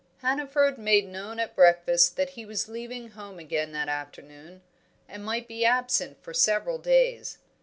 Hannaford made known at breakfast that he was leaving home again that afternoon, and might be absent for several days.